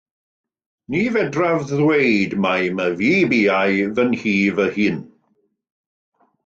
Ni fedraf ddweud mai myfi biau fy nhŷ fy hun.